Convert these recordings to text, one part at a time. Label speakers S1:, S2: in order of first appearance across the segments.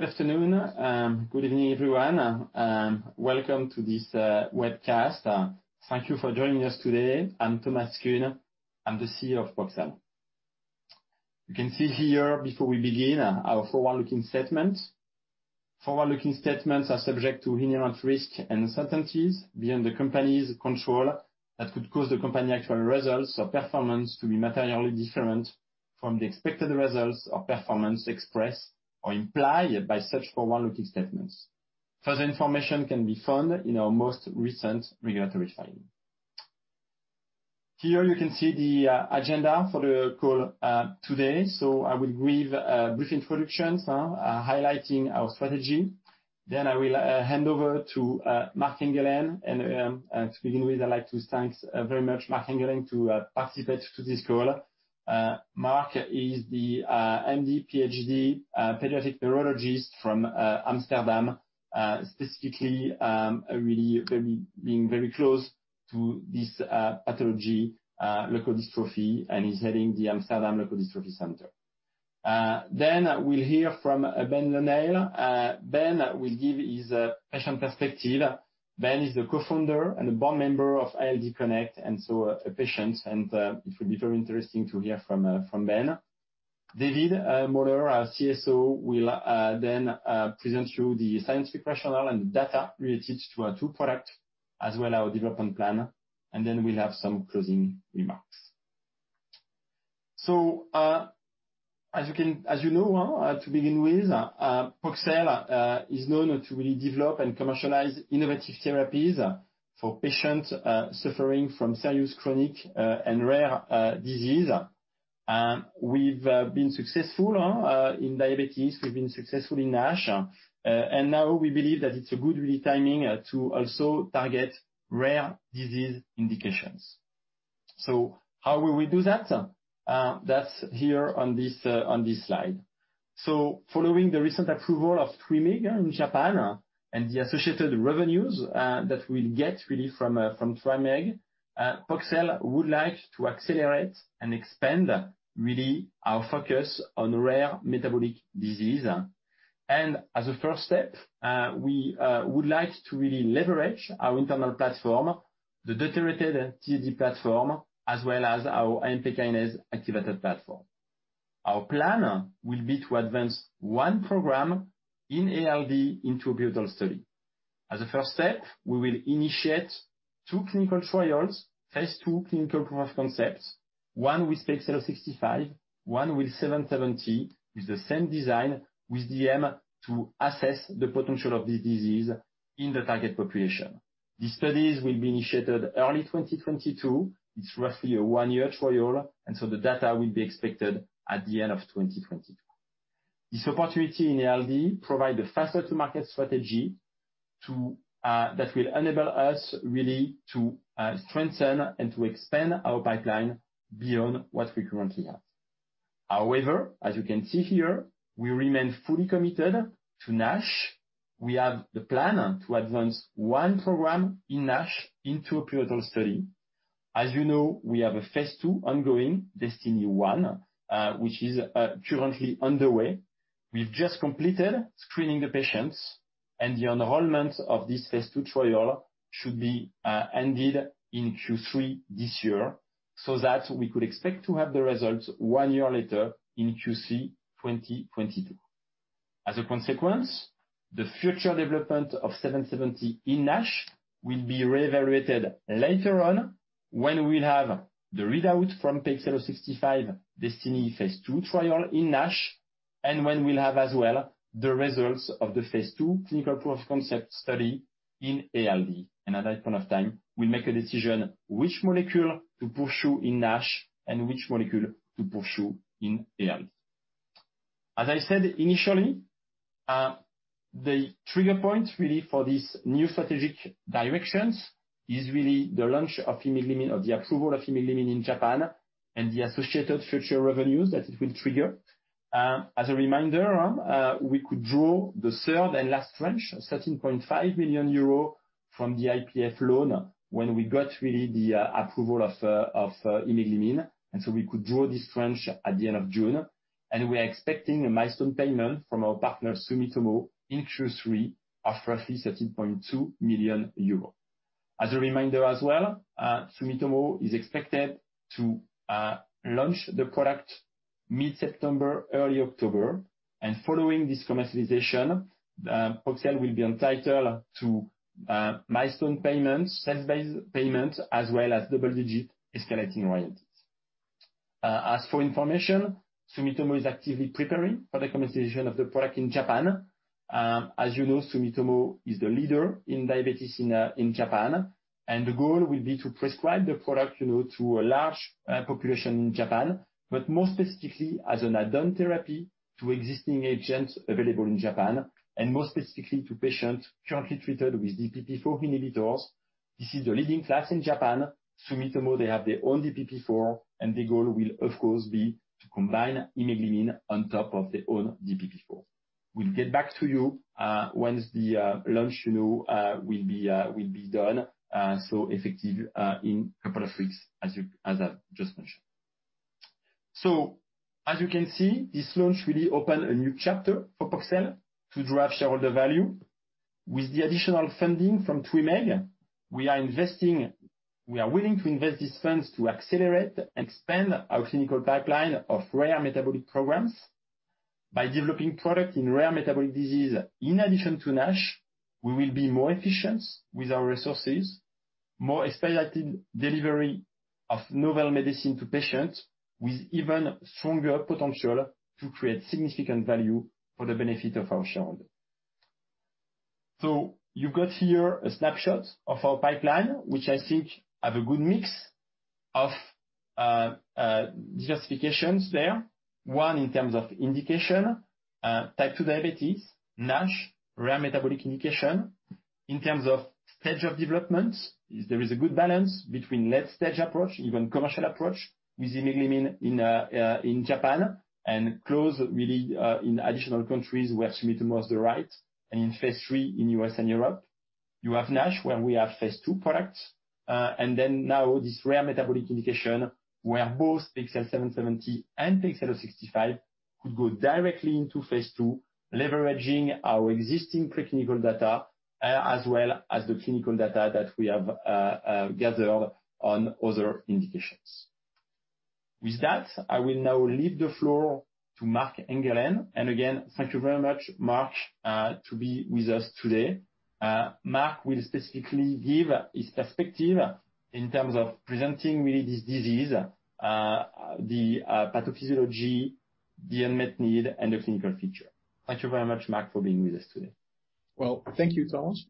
S1: Hello. Good afternoon. Good evening, everyone. Welcome to this webcast. Thank you for joining us today. I'm Thomas Kuhn, I'm the CEO of Poxel. You can see here before we begin, our forward-looking statements. Forward-looking statements are subject to inherent risks and uncertainties beyond the company's control that could cause the company's actual results or performance to be materially different from the expected results or performance expressed or implied by such forward-looking statements. Further information can be found in our most recent regulatory filing. Here you can see the agenda for the call today. I will give brief introductions highlighting our strategy. I will hand over to Marc Engelen. To begin with, I'd like to thank very much Marc Engelen to participate to this call. Marc Engelen is the MD PhD pediatric neurologist from Amsterdam, specifically being very close to this pathology, leukodystrophy, and he is heading the Amsterdam Leukodystrophy Center. We'll hear from Ben Lenail. Ben will give his patient perspective. Ben is the co-founder and board member of ALD Connect, and so a patient, and it will be very interesting to hear from Ben. David Moller, our CSO, will present you the scientific rationale and data related to our two products as well our development plan. We will have some closing remarks. As you know, to begin with, Poxel is known to really develop and commercialize innovative therapies for patients suffering from serious chronic and rare disease. We've been successful in diabetes, we've been successful in NASH. Now we believe that it's a good timing to also target rare disease indications. How will we do that? That's here on this slide. Following the recent approval of TWYMEEG in Japan and the associated revenues that we'll get from TWYMEEG, Poxel would like to accelerate and expand our focus on rare metabolic disease. As a first step, we would like to really leverage our internal platform, the dTZD platform, as well as our AMPK activator platform. Our plan will be to advance one program in ALD into a pivotal study. As a first step, we will initiate two clinical trials, phase II clinical proof of concepts. One with PXL065, one with PXL770, with the same design, with the aim to assess the potential of the disease in the target population. These studies will be initiated early 2022. It's roughly a one-year trial, the data will be expected at the end of 2022. This opportunity in ALD provides a faster to market strategy that will enable us really to strengthen and to expand our pipeline beyond what we currently have. As you can see here, we remain fully committed to NASH. We have the plan to advance 1 program in NASH into a pivotal study. As you know, we have a phase II ongoing, DESTINY-1, which is currently underway. We've just completed screening the patients, the enrollment of this phase II trial should be ended in Q3 this year, so that we could expect to have the results 1 year later in Q3 2022. As a consequence, the future development of PXL770 in NASH will be reevaluated later on when we have the readout from PXL065 DESTINY-1 phase II trial in NASH, when we'll have as well the results of the phase II clinical proof of concept study in ALD. At that point of time, we make a decision which molecule to pursue in NASH and which molecule to pursue in ALD. As I said initially, the trigger point really for this new strategic directions is really the launch of imeglimin, of the approval of imeglimin in Japan and the associated future revenues that it will trigger. As a reminder, we could draw the third and last tranche of 13.5 million euro from the IPF loan when we got the approval of imeglimin, and so we could draw this tranche at the end of June, and we're expecting a milestone payment from our partner, Sumitomo, in Q3 of roughly 13.2 million euros. As a reminder as well, Sumitomo is expected to launch the product mid-September, early October, and following this commercialization, Poxel will be entitled to milestone payments, sales-based payments, as well as double-digit escalating royalties. As for information, Sumitomo is actively preparing for the commercialization of the product in Japan. As you know, Sumitomo is the leader in diabetes in Japan, and the goal will be to prescribe the product to a large population in Japan, but more specifically as an add-on therapy to existing agents available in Japan and more specifically to patients currently treated with DPP-4 inhibitors. This is the leading class in Japan. Sumitomo, they have their own DPP-4, and the goal will of course be to combine imeglimin on top of their own DPP-4. We'll get back to you once the launch will be done, so effective in a couple of weeks as I just mentioned. As you can see, this launch really opened a new chapter for Poxel to drive shareholder value. With the additional funding from IPF Partners, we are willing to invest this funds to accelerate and expand our clinical pipeline of rare metabolic programs. By developing product in rare metabolic disease in addition to NASH, we will be more efficient with our resources, more expedited delivery of novel medicine to patients with even stronger potential to create significant value for the benefit of our shareholders. You got here a snapshot of our pipeline, which I think have a good mix of justifications there. One, in terms of indication, type 2 diabetes, NASH, rare metabolic indication. In terms of stage of development, there is a good balance between late-stage approach, even commercial approach with imeglimin in Japan, and close really in additional countries where it's written towards the right, and in phase III in U.S. and Europe. You have NASH, where we have phase II products. Now this rare metabolic indication where both PXL770 and PXL065 could go directly into phase II, leveraging our existing preclinical data as well as the clinical data that we have gathered on other indications. With that, I will now leave the floor to Marc Engelen. Again, thank you very much, Marc, to be with us today. Marc will specifically give his perspective in terms of presenting really this disease, the pathophysiology, the unmet need, and the clinical feature. Thank you very much, Marc, for being with us today.
S2: Well, thank you, Thomas.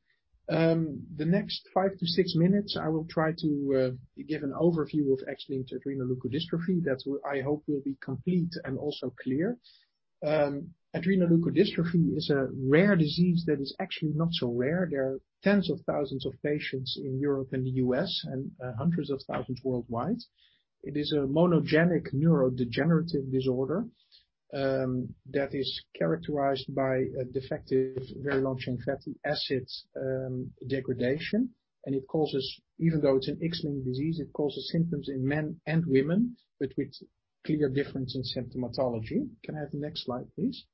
S2: The next 5 - 6 minutes, I will try to give an overview of X-linked adrenoleukodystrophy that I hope will be complete and also clear. Adrenoleukodystrophy is a rare disease that is actually not so rare. There are tens of thousands of patients in Europe and the U.S. and hundreds of thousands worldwide. It is a monogenic neurodegenerative disorder that is characterized by a defective very long-chain fatty acids degradation. Even though it's an X-linked disease, it causes symptoms in men and women, but with clear difference in symptomatology. Can I have the next slide, please?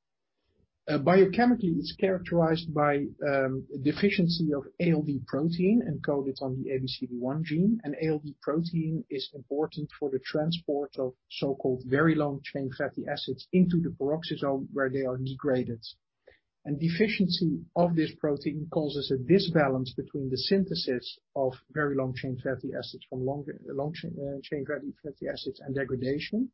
S2: Biochemically, it's characterized by a deficiency of ALD protein encoded on the ABCD1 gene, and ALD protein is important for the transport of so-called very long-chain fatty acids into the peroxisome where they are degraded. Deficiency of this protein causes a disbalance between the synthesis of very long-chain fatty acids from long-chain fatty acids and degradation,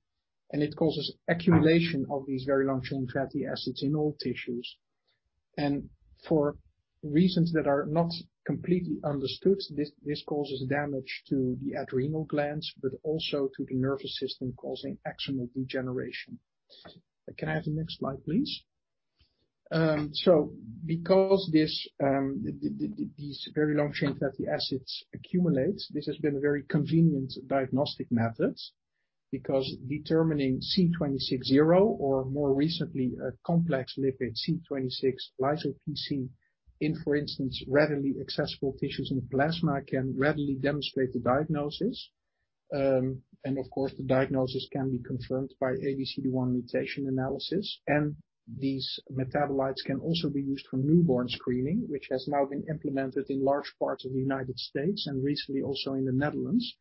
S2: it causes accumulation of these very long-chain fatty acids in all tissues. For reasons that are not completely understood, this causes damage to the adrenal glands, but also to the nervous system, causing axonal degeneration. Can I have the next slide, please? Because these very long-chain fatty acids accumulate, this has been a very convenient diagnostic method, because determining C26:0 or more recently, a complex lipid C26:0-lysoPC in, for instance, readily accessible tissues and plasma can readily demonstrate the diagnosis. Of course, the diagnosis can be confirmed by ABCD1 mutation analysis, and these metabolites can also be used for newborn screening, which has now been implemented in large parts of the United States and recently also in the Netherlands.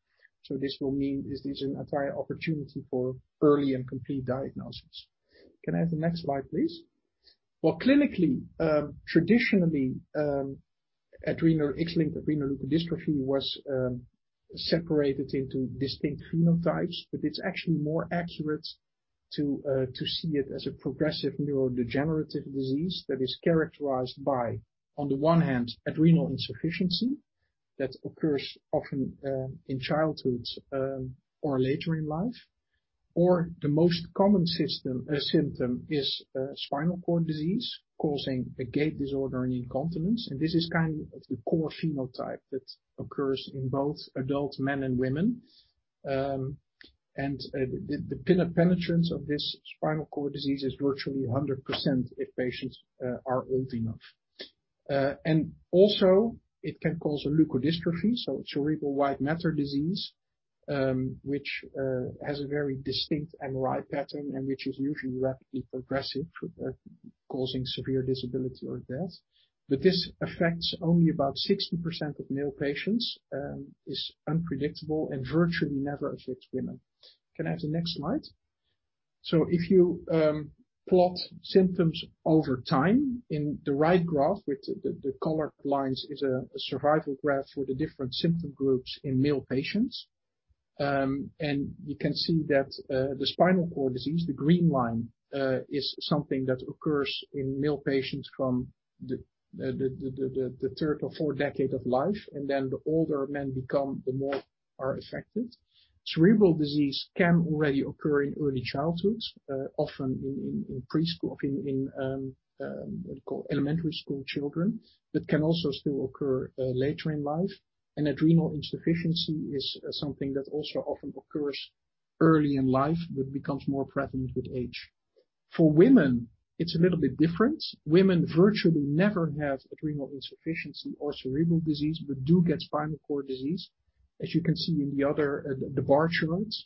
S2: This will mean this is an entire opportunity for early and complete diagnosis. Can I have the next slide, please? Well, clinically, traditionally, X-linked adrenoleukodystrophy was separated into distinct phenotypes, but it's actually more accurate to see it as a progressive neurodegenerative disease that is characterized by, on the one hand, adrenal insufficiency that occurs often in childhood, or later in life, or the most common symptom is spinal cord disease, causing a gait disorder and incontinence, and this is kind of the core phenotype that occurs in both adult men and women. The penetrance of this spinal cord disease is virtually 100% if patients are old enough. Also it can cause a leukodystrophy, so it's a cerebral white matter disease, which has a very distinct MRI pattern and which is usually rapidly progressive, causing severe disability or death. This affects only about 60% of male patients, is unpredictable, and virtually never affects women. Can I have the next slide? If you plot symptoms over time in the right graph, which the colored lines is a survival graph for the different symptom groups in male patients. You can see that the spinal cord disease, the green line, is something that occurs in male patients from the third or fourth decade of life, and then the older men become, the more are affected. Cerebral disease can already occur in early childhood, often in preschool, in what we call elementary school children, but can also still occur later in life. Adrenal insufficiency is something that also often occurs early in life but becomes more prevalent with age. For women, it's a little bit different. Women virtually never have adrenal insufficiency or cerebral disease, but do get spinal cord disease, as you can see in the other bar charts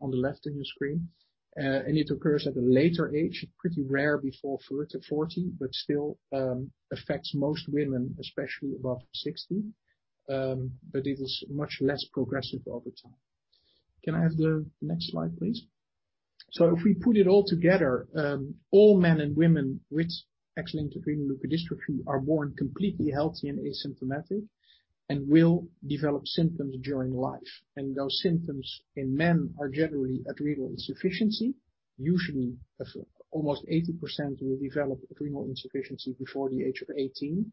S2: on the left of your screen. It occurs at a later age. It's pretty rare before 30-40, but still affects most women, especially above 60. It is much less progressive over time. Can I have the next slide, please? If we put it all together, all men and women with X-linked adrenoleukodystrophy are born completely healthy and asymptomatic and will develop symptoms during life. Those symptoms in men are generally adrenal insufficiency. Usually, almost 80% will develop adrenal insufficiency before the age of 18.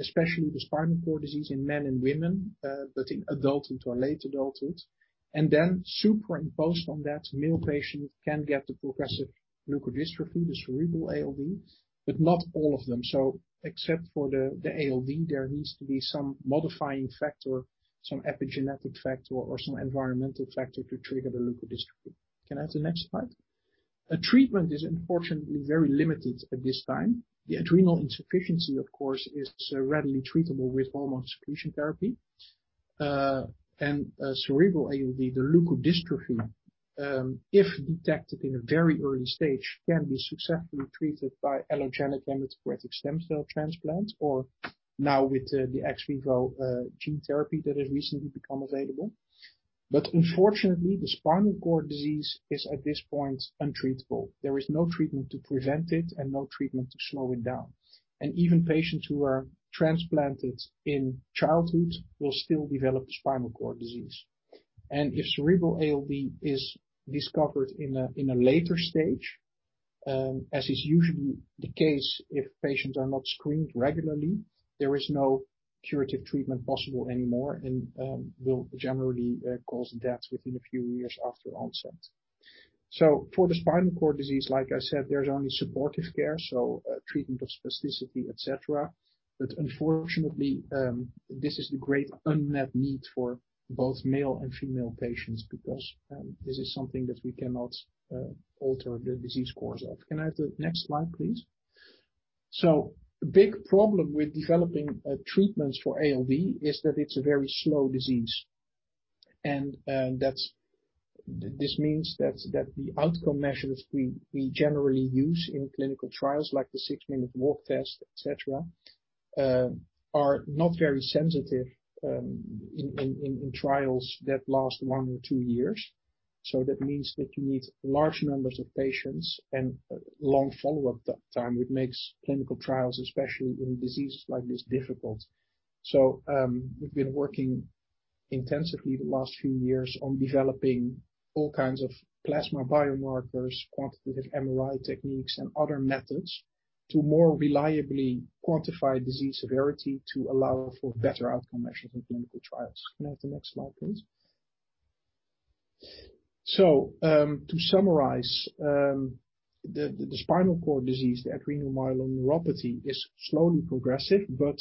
S2: Especially the spinal cord disease in men and women, but in adulthood or late adulthood. Superimposed on that, male patients can get the progressive leukodystrophy, the cerebral ALD, but not all of them. Except for the ALD, there needs to be some modifying factor, some epigenetic factor, or some environmental factor to trigger the leukodystrophy. Can I have the next slide? Treatment is unfortunately very limited at this time. The adrenal insufficiency, of course, is readily treatable with hormone substitution therapy. Cerebral ALD, the leukodystrophy, if detected in a very early stage, can be successfully treated by allogeneic hematopoietic stem cell transplant or now with the ex vivo gene therapy that has recently become available. Unfortunately, the spinal cord disease is at this point untreatable. There is no treatment to prevent it and no treatment to slow it down. Even patients who are transplanted in childhood will still develop spinal cord disease. If cerebral ALD is discovered in a later stage, as is usually the case if patients are not screened regularly, there is no curative treatment possible anymore and will generally cause death within a few years after onset. For the spinal cord disease, like I said, there is only supportive care, so treatment of spasticity, et cetera. Unfortunately, this is a great unmet need for both male and female patients because this is something that we cannot alter the disease course of. Can I have the next slide, please? A big problem with developing treatments for ALD is that it's a very slow disease. This means that the outcome measures we generally use in clinical trials, like the six-minute walk test, et cetera, are not very sensitive in trials that last one or two years. That means that you need large numbers of patients and long follow-up time. It makes clinical trials, especially in diseases like this, difficult. We've been working intensively the last few years on developing all kinds of plasma biomarkers, quantitative MRI techniques, and other methods to more reliably quantify disease severity to allow for better outcome measures in clinical trials. Can I have the next slide, please? To summarize, the spinal cord disease, the adrenomyeloneuropathy, is slowly progressive, but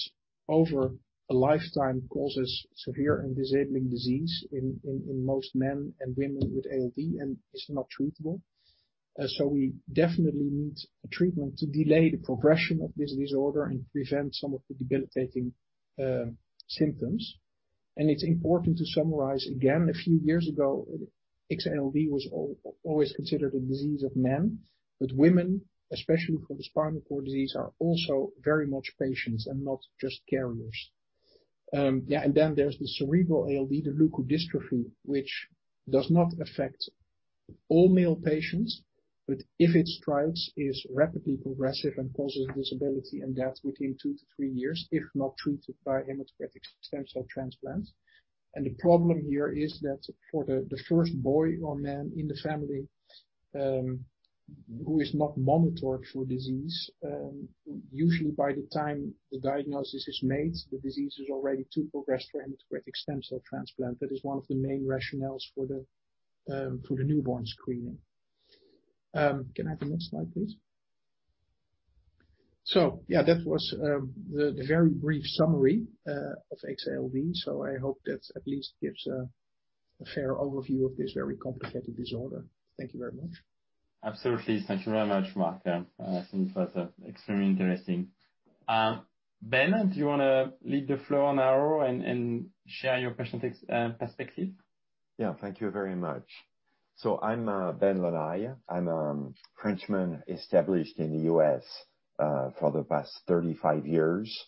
S2: over a lifetime causes severe and disabling disease in most men and women with ALD and is not treatable. We definitely need a treatment to delay the progression of this disorder and prevent some of the debilitating symptoms. It's important to summarize again, a few years ago, X-ALD was always considered a disease of men, but women, especially for the spinal cord disease, are also very much patients and not just carriers. There's the cerebral ALD, the leukodystrophy, which does not affect all male patients, but if it strikes, it is rapidly progressive and causes disability, and that's within 2-3 years if not treated by hematopoietic stem cell transplant. The problem here is that for the first boy or man in the family who is not monitored for disease, usually by the time the diagnosis is made, the disease is already too progressed for hematopoietic stem cell transplant. That is one of the main rationales for the newborn screening. Can I have the next slide, please? That was the very brief summary of X-ALD. I hope that at least gives a fair overview of this very complicated disorder. Thank you very much.
S1: Absolutely. Thank you very much, Marc. I think that's extremely interesting. Ben, do you want to lead the floor now and share your patient perspective?
S3: Thank you very much. I'm Ben Lonergan. I'm a Frenchman established in the U.S. for the past 35 years.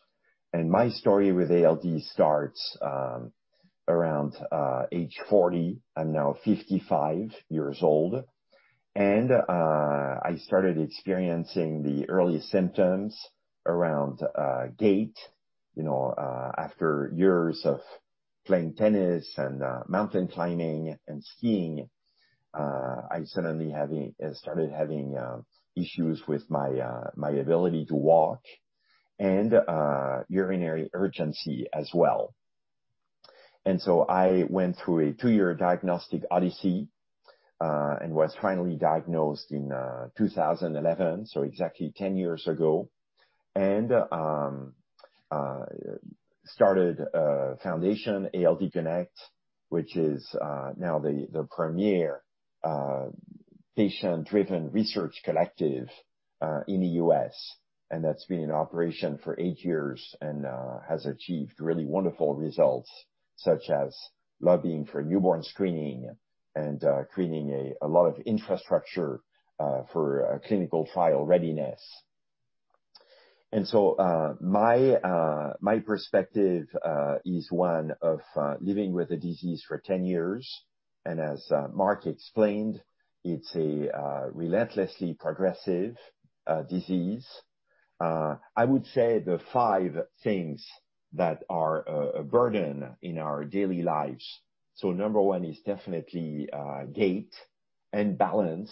S3: My story with ALD starts around age 40. I'm now 55 years old. I started experiencing the early symptoms around gait. After years of playing tennis and mountain climbing and skiing, I suddenly started having issues with my ability to walk and urinary urgency as well. I went through a two-year diagnostic odyssey, and was finally diagnosed in 2011, so exactly 10 years ago. I started a foundation, ALD Connect, which is now the premier patient-driven research collective in the U.S., and that's been in operation for eight years and has achieved really wonderful results, such as lobbying for newborn screening and creating a lot of infrastructure for clinical trial readiness. My perspective is one of living with the disease for 10 years, as Marc explained, it's a relentlessly progressive disease. I would say the five things that are a burden in our daily lives. Number one is definitely gait and balance.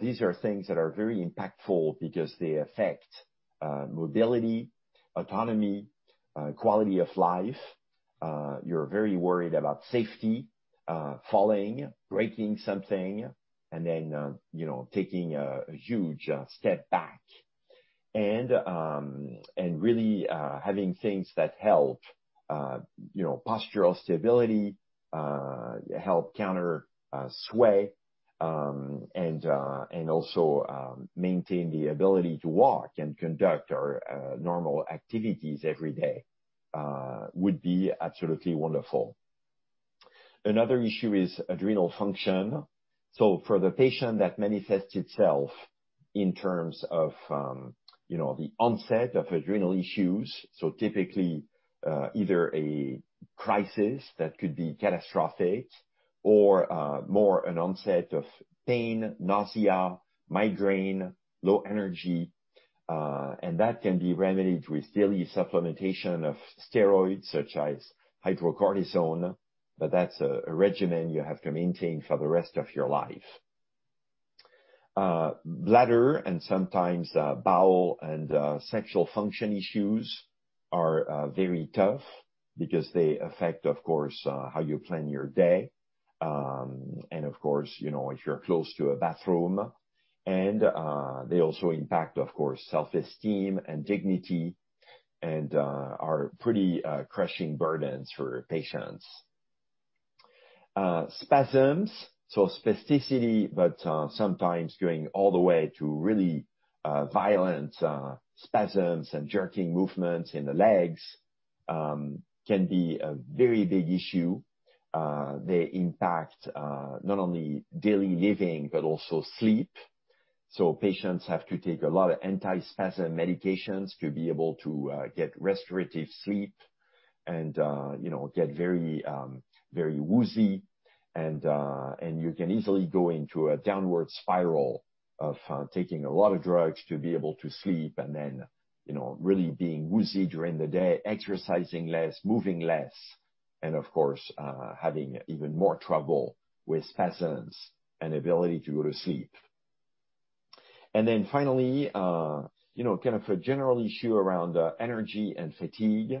S3: These are things that are very impactful because they affect mobility, autonomy, quality of life. You're very worried about safety, falling, breaking something, and then taking a huge step back. Really having things that help postural stability, help counter sway, and also maintain the ability to walk and conduct our normal activities every day would be absolutely wonderful. Another issue is adrenal function. For the patient, that manifests itself in terms of the onset of adrenal issues. Typically, either a crisis that could be catastrophic or more an onset of pain, nausea, migraine, low energy, and that can be remedied with daily supplementation of steroids such as hydrocortisone. That's a regimen you have to maintain for the rest of your life. Bladder and sometimes bowel and sexual function issues are very tough because they affect, of course, how you plan your day. Of course, if you're close to a bathroom. They also impact, of course, self-esteem and dignity and are pretty crushing burdens for patients. Spasms, so spasticity, but sometimes going all the way to really violent spasms and jerking movements in the legs can be a very big issue. They impact not only daily living but also sleep. Patients have to take a lot of anti-spasm medications to be able to get restorative sleep and get very woozy and you can easily go into a downward spiral of taking a lot of drugs to be able to sleep and then really being woozy during the day, exercising less, moving less, and of course, having even more trouble with spasms and ability to go to sleep. Finally, a general issue around energy and fatigue.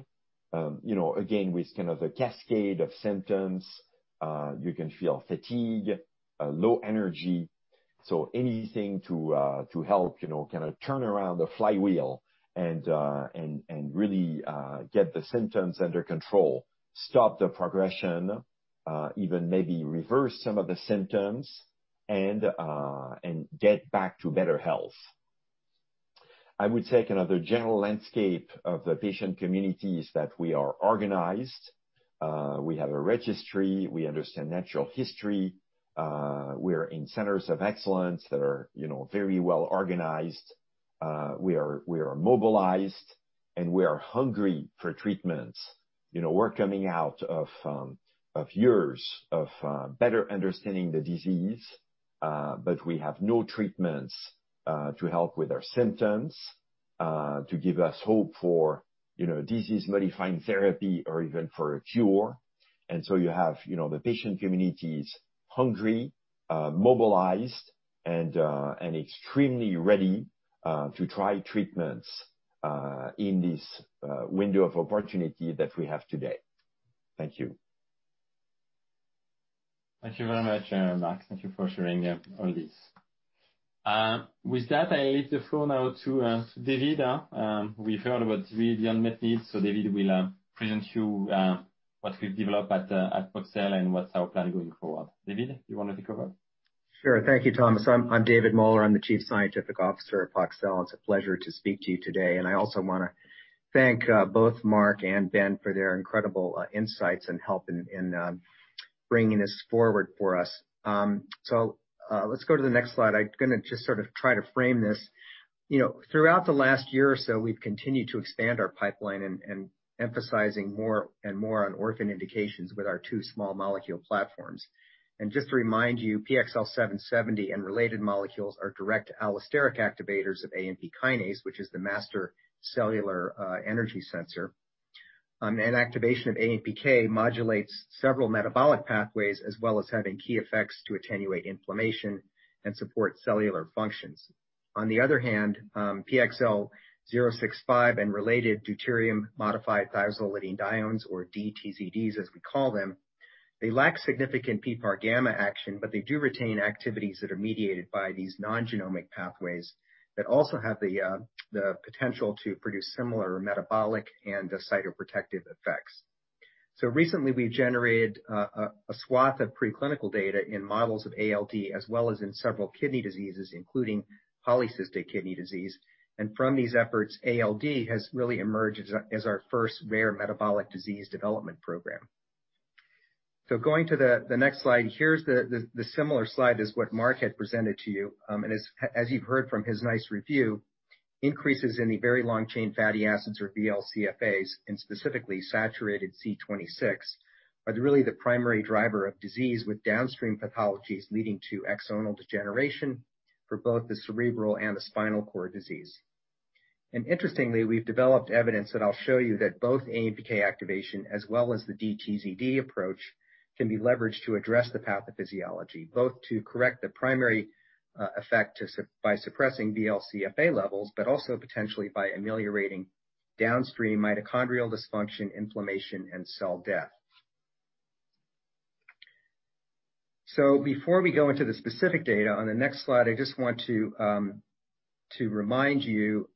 S3: Again, with the cascade of symptoms, you can feel fatigue, low energy. Anything to help turn around the flywheel and really get the symptoms under control, stop the progression, even maybe reverse some of the symptoms and get back to better health. I would say another general landscape of the patient community is that we are organized. We have a registry. We understand natural history. We're in centers of excellence that are very well organized. We are mobilized, and we are hungry for treatments. We're coming out of years of better understanding the disease, but we have no treatments to help with our symptoms, to give us hope for disease-modifying therapy or even for a cure. You have the patient community is hungry, mobilized, and extremely ready to try treatments in this window of opportunity that we have today. Thank you.
S1: Thank you very much, Marc. Thank you for sharing all this. With that, I leave the floor now to David. We've heard about David's unmet needs, so David will present to you what we've developed at Poxel and what's our plan going forward. David, do you want to take over?
S4: Sure. Thank you, Thomas. I'm David Moller. I'm the Chief Scientific Officer at Poxel. It's a pleasure to speak to you today, and I also want to thank both Marc and Ben for their incredible insights and help in bringing this forward for us. Let's go to the next slide. I'm going to just sort of try to frame this. Throughout the last year or so, we've continued to expand our pipeline and emphasizing more and more on orphan indications with our two small molecule platforms. Just to remind you, PXL770 and related molecules are direct allosteric activators of AMP kinase, which is the master cellular energy sensor. Activation of AMPK modulates several metabolic pathways as well as having key effects to attenuate inflammation and support cellular functions. On the other hand, PXL065 and related deuterium-modified thiazolidinediones, or dTZDs as we call them, they lack significant PPARγ action, but they do retain activities that are mediated by these non-genomic pathways that also have the potential to produce similar metabolic and cytoprotective effects. Recently we've generated a swath of preclinical data in models of ALD as well as in several kidney diseases, including polycystic kidney disease. From these efforts, ALD has really emerged as our first rare metabolic disease development program. Going to the next slide, here's the similar slide as what Marc had presented to you. As you heard from his nice review, increases in the very long-chain fatty acids, or VLCFAs, and specifically saturated C26, are really the primary driver of disease, with downstream pathologies leading to axonal degeneration for both the cerebral and the spinal cord disease. Interestingly, we've developed evidence that I'll show you that both AMPK activation as well as the dTZD approach can be leveraged to address the pathophysiology, both to correct the primary effect by suppressing VLCFA levels, but also potentially by ameliorating downstream mitochondrial dysfunction, inflammation, and cell death. Before we go into the specific data, on the next slide, I just want to remind you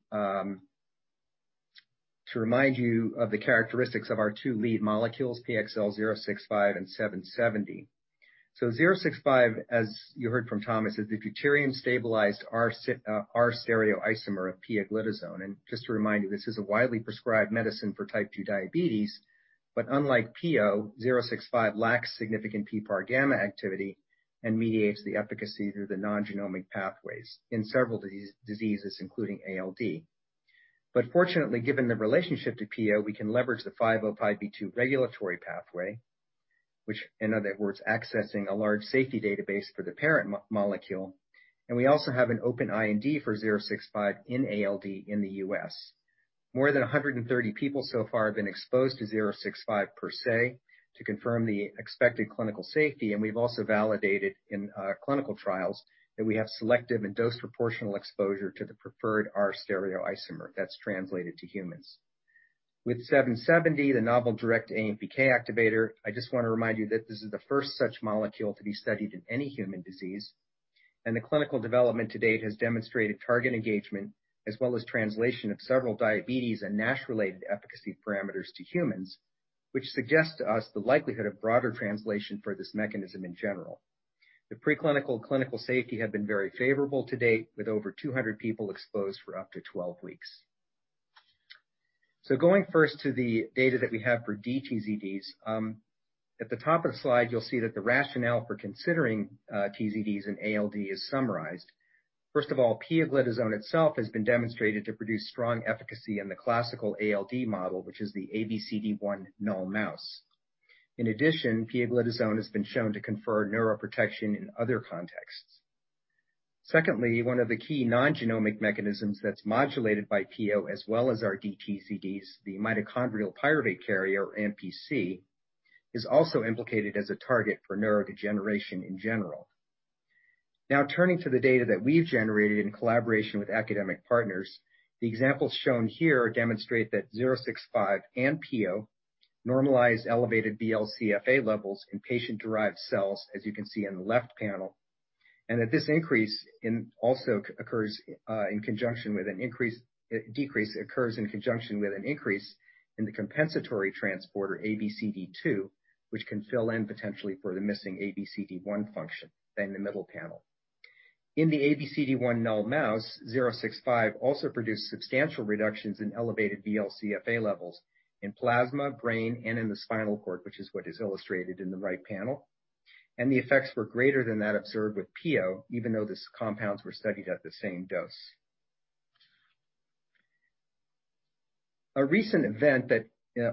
S4: of the characteristics of our two lead molecules, PXL065 and PXL770. PXL065, as you heard from Thomas, is the deuterium-stabilized R stereoisomer of pioglitazone. Just to remind you, this is a widely prescribed medicine for type 2 diabetes, but unlike Pio, PXL065 lacks significant PPARγ activity and mediates the efficacy through the non-genomic pathways in several diseases, including ALD. Fortunately, given the relationship to Pio, we can leverage the 505(b)(2) regulatory pathway, which, in other words, accessing a large safety database for the parent molecule. We also have an open IND for PXL065 in ALD in the U.S. More than 130 people so far have been exposed to PXL065 per se, to confirm the expected clinical safety, and we've also validated in clinical trials that we have selective and dose proportional exposure to the preferred R stereoisomer that's translated to humans. With PXL770, the novel direct AMPK activator, I just want to remind you that this is the first such molecule to be studied in any human disease, and the clinical development to date has demonstrated target engagement as well as translation of several diabetes and NASH-related efficacy parameters to humans, which suggests to us the likelihood of broader translation for this mechanism in general. The preclinical clinical safety have been very favorable to date, with over 200 people exposed for up to 12 weeks. Going first to the data that we have for dTZDs. At the top of the slide, you'll see that the rationale for considering dTZDs in ALD is summarized. First of all, pioglitazone itself has been demonstrated to produce strong efficacy in the classical ALD model, which is the Abcd1-null mouse. In addition, pioglitazone has been shown to confer neuroprotection in other contexts. One of the key non-genomic mechanisms that's modulated by Pio as well as our dTZDs, the mitochondrial pyruvate carrier, MPC, is also implicated as a target for neurodegeneration in general. Turning to the data that we've generated in collaboration with academic partners. The examples shown here demonstrate that PXL065 and Pio normalize elevated VLCFA levels in patient-derived cells, as you can see on the left panel, and that this decrease occurs in conjunction with an increase in the compensatory transporter ABCD2, which can fill in potentially for the missing ABCD1 function in the middle panel. In the ABCD1 null mouse, PXL065 also produced substantial reductions in elevated VLCFA levels in plasma, brain, and in the spinal cord, which is what is illustrated in the right panel. The effects were greater than that observed with Pio, even though these compounds were studied at the same dose. A recent event that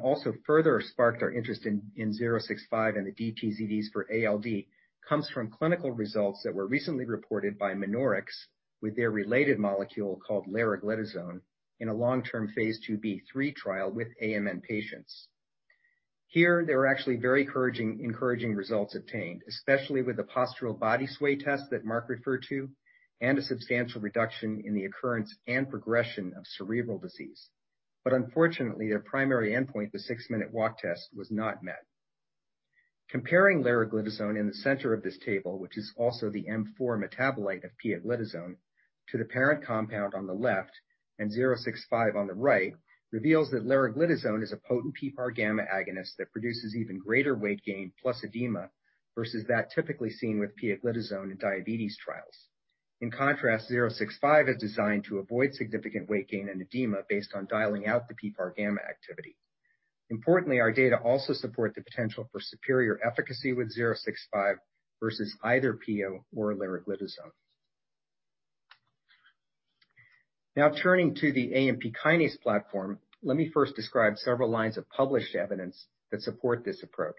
S4: also further sparked our interest in PXL065 and the dTZDs for ALD comes from clinical results that were recently reported by Minoryx with their related molecule called leriglitazone in a long-term phase II-B/III trial with AMN patients. Here, there were actually very encouraging results obtained, especially with the postural body sway test that Marc referred to and a substantial reduction in the occurrence and progression of cerebral disease. Unfortunately, their primary endpoint, the 6-minute walk test, was not met. Comparing leriglitazone in the center of this table, which is also the M4 metabolite of pioglitazone, to the parent compound on the left and PXL065 on the right, reveals that leriglitazone is a potent PPARγ agonist that produces even greater weight gain plus edema versus that typically seen with pioglitazone in diabetes trials. In contrast, PXL065 is designed to avoid significant weight gain and edema based on dialing out the PPARγ activity. Importantly, our data also support the potential for superior efficacy with PXL065 versus either pio or leriglitazone. Turning to the AMPK platform, let me first describe several lines of published evidence that support this approach.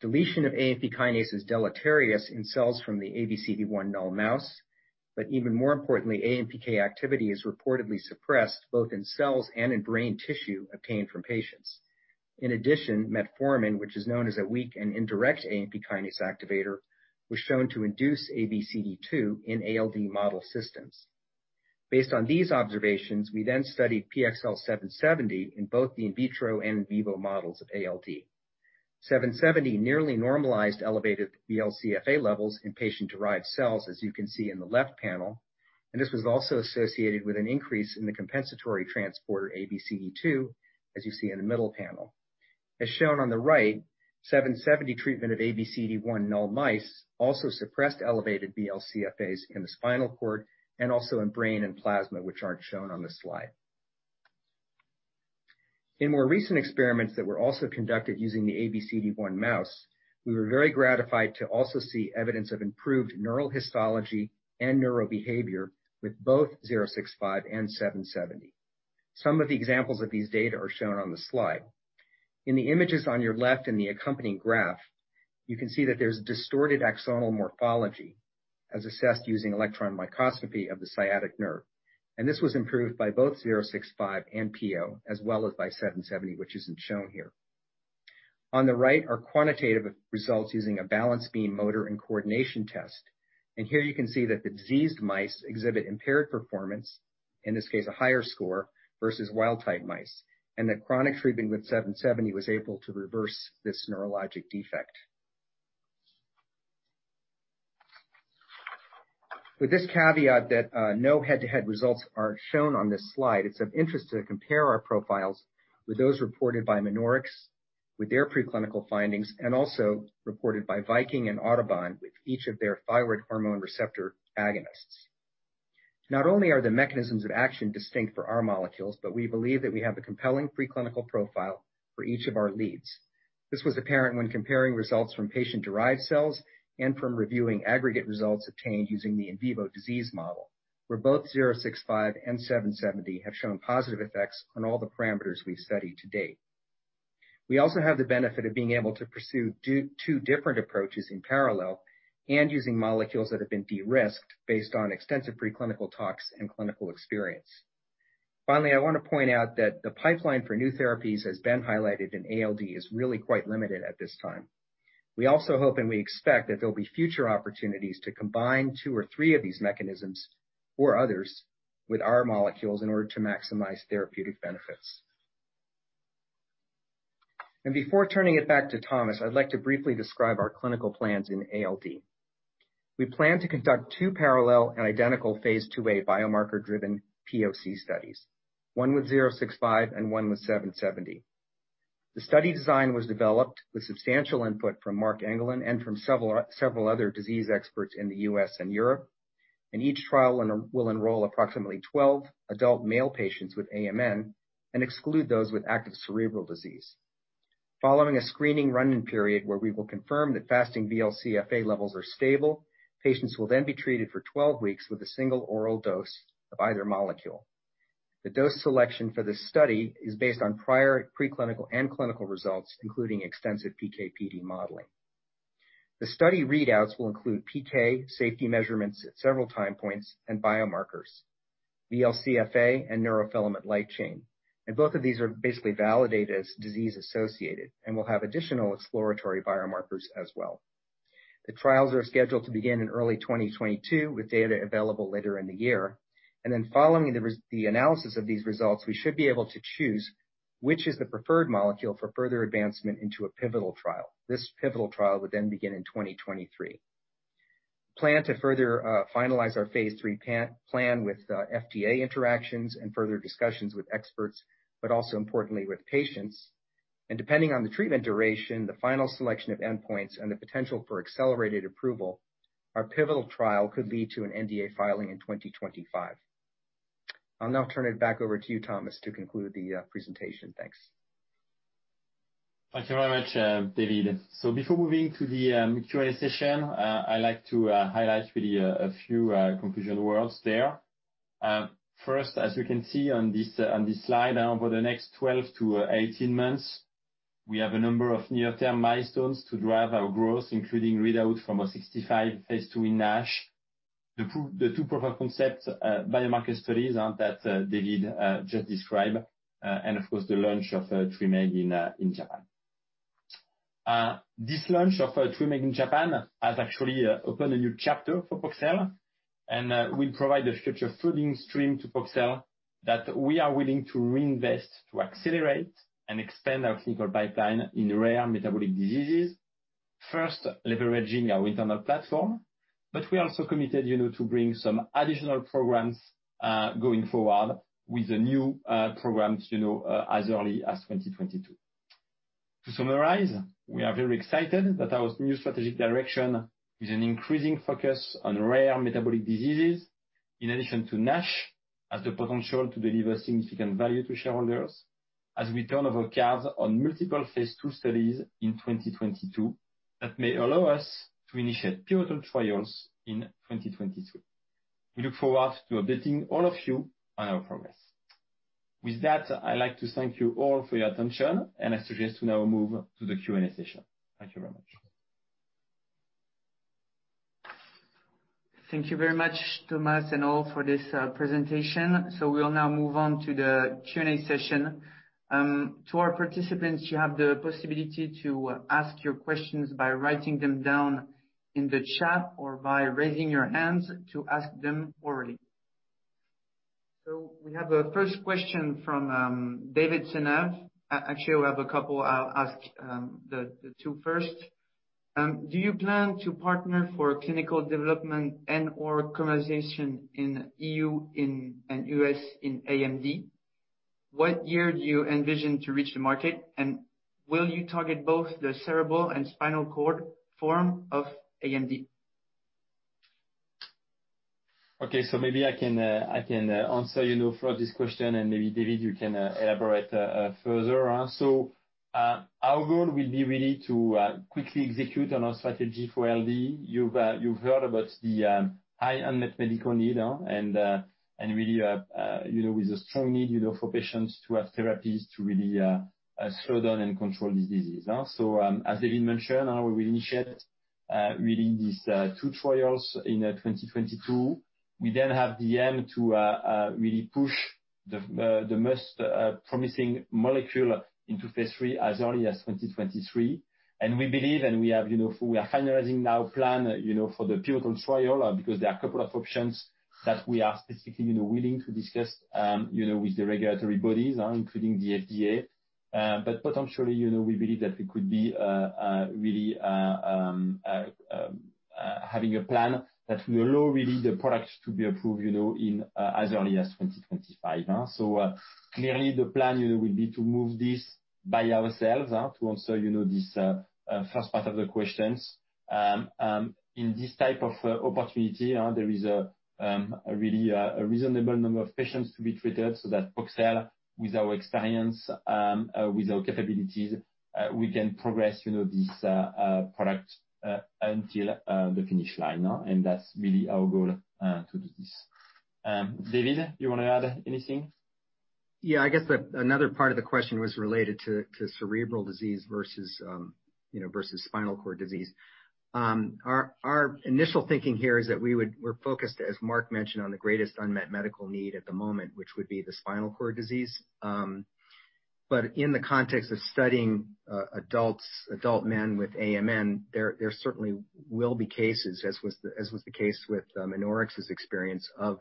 S4: Deletion of AMPK is deleterious in cells from the Abcd1-null mouse, even more importantly, AMPK activity is reportedly suppressed both in cells and in brain tissue obtained from patients. In addition, metformin, which is known as a weak and indirect AMP kinase activator, was shown to induce ABCD2 in ALD model systems. Based on these observations, we studied PXL770 in both the in vitro and in vivo models of ALD. 770 nearly normalized elevated VLCFA levels in patient-derived cells, as you can see in the left panel, and this was also associated with an increase in the compensatory transporter, ABCD2, as you see in the middle panel. As shown on the right, 770 treatment of Abcd1-null mice also suppressed elevated VLCFAs in the spinal cord and also in brain and plasma, which aren't shown on this slide. In more recent experiments that were also conducted using the Abcd1-null mouse, we were very gratified to also see evidence of improved neural histology and neurobehavior with both 065 and 770. Some of the examples of these data are shown on the slide. In the images on your left in the accompanying graph, you can see that there's distorted axonal morphology as assessed using electron microscopy of the sciatic nerve, this was improved by both 065 and Pio as well as by 770, which isn't shown here. On the right are quantitative results using a balance beam motor and coordination test, here you can see that the diseased mice exhibit impaired performance, in this case a higher score, versus wild-type mice, that chronic treatment with 770 was able to reverse this neurologic defect. With this caveat that no head-to-head results are shown on this slide, it's of interest to compare our profiles with those reported by Minoryx with their preclinical findings, also reported by Viking and Autobahn with each of their thyroid hormone receptor agonists. Not only are the mechanisms of action distinct for our molecules, but we believe that we have a compelling preclinical profile for each of our leads. This was apparent when comparing results from patient-derived cells and from reviewing aggregate results obtained using the in vivo disease model, where both PXL065 and PXL770 have shown positive effects on all the parameters we've studied to date. We also have the benefit of being able to pursue two different approaches in parallel and using molecules that have been de-risked based on extensive preclinical tox and clinical experience. Finally, I want to point out that the pipeline for new therapies, as Ben highlighted, in ALD is really quite limited at this time. We also hope and we expect that there'll be future opportunities to combine two or three of these mechanisms or others with our molecules in order to maximize therapeutic benefits. Before turning it back to Thomas Kuhn, I'd like to briefly describe our clinical plans in ALD. We plan to conduct two parallel and identical phase II-A biomarker-driven POC studies, one with PXL065 and one with PXL770. The study design was developed with substantial input from Marc Engelen and from several other disease experts in the U.S. and Europe, each trial will enroll approximately 12 adult male patients with AMN and exclude those with active cerebral disease. Following a screening run-in period where we will confirm that fasting VLCFA levels are stable, patients will then be treated for 12 weeks with a single oral dose of either molecule. The dose selection for this study is based on prior preclinical and clinical results, including extensive PK/PD modeling. The study readouts will include PK safety measurements at several time points and biomarkers, VLCFA and neurofilament light chain, and both of these are basically validated as disease-associated and will have additional exploratory biomarkers as well. The trials are scheduled to begin in early 2022 with data available later in the year. Following the analysis of these results, we should be able to choose which is the preferred molecule for further advancement into a pivotal trial. This pivotal trial would then begin in 2023. We plan to further finalize our phase III plan with FDA interactions and further discussions with experts, also importantly with patients. Depending on the treatment duration, the final selection of endpoints, and the potential for accelerated approval, our pivotal trial could lead to an NDA filing in 2025. I'll now turn it back over to you, Thomas, to conclude the presentation. Thanks.
S1: Thank you very much, David. Before moving to the Q&A session, I'd like to highlight really a few conclusion words there. First, as you can see on this slide, over the next 12 to 18 months, we have a number of near-term milestones to drive our growth, including readout from our PXL065 phase II in NASH. The two proof of concept biomarker studies that David just described, and of course, the launch of TWYMEEG in Japan. This launch of TWYMEEG in Japan has actually opened a new chapter for Poxel, and we provide a future funding stream to Poxel that we are willing to reinvest to accelerate and expand our clinical pipeline in rare metabolic diseases. First, leveraging our internal platform, but we also committed to bring some additional programs going forward with the new programs as early as 2022. To summarize, we are very excited that our new strategic direction is an increasing focus on rare metabolic diseases in addition to NASH, has the potential to deliver significant value to shareholders as we turn over cards on multiple phase II studies in 2022 that may allow us to initiate pivotal trials in 2023. We look forward to updating all of you on our progress. With that, I'd like to thank you all for your attention, and I suggest we now move to the Q&A session. Thank you very much.
S5: Thank you very much, Thomas and all, for this presentation. We'll now move on to the Q&A session. To our participants, you have the possibility to ask your questions by writing them down in the chat or by raising your hands to ask them orally. We have a first question from David Seneff. Actually, we have a couple, I'll ask the 2 first. Do you plan to partner for clinical development and/or commercialization in EU and US in ALD? What year do you envision to reach the market? Will you target both the cerebral and spinal cord form of ALD? Okay.
S1: Maybe I can answer for this question and maybe, David, you can elaborate further on. Our goal will be really to quickly execute on our strategy for ALD. You've heard about the high unmet medical need and really with a strong need for patients to have therapies to really slow down and control this disease. As David mentioned, how we initiate reading these two trials in 2022. We have the aim to really push the most promising molecule into phase III as early as 2023. We believe, and we are finalizing now plan for the pivotal trial because there are a couple of options that we are specifically willing to discuss with the regulatory bodies, including the FDA. Potentially, we believe that we could be really having a plan that will allow really the product to be approved as early as 2025. Clearly the plan will be to move this by ourselves to answer this first part of the questions. In this type of opportunity, there is a really reasonable number of patients to be treated, so that Poxel, with our experience, with our capabilities, we can progress this product until the finish line. That's really our goal to do this. David, you want to add anything?
S4: Yeah, I guess another part of the question was related to cerebral disease versus spinal cord disease. Our initial thinking here is that we're focused, as Marc mentioned, on the greatest unmet medical need at the moment, which would be the spinal cord disease. In the context of studying adult men with AMN, there certainly will be cases, as was the case with Minoryx's experience of